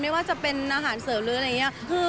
ไม่ว่าจะเป็นอาหารเสริมหรืออะไรอย่างนี้